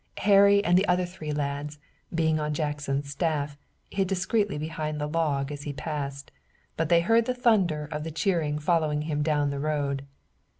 Harry and the other three lads, being on Jackson's staff, hid discreetly behind the log as he passed, but they heard the thunder of the cheering following him down the road.